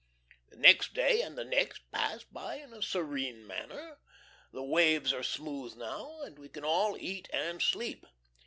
.... The next day and the next pass by in a serene manner. The waves are smooth now, and we can all eat and sleep.